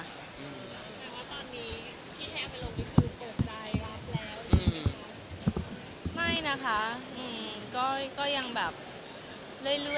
คิดว่าตอนนี้ที่แฮมไปโรงพิธีคือโกรธใจรอบแล้วหรือเปล่า